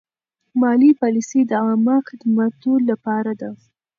مالي پالیسي د عامه خدماتو لپاره ده.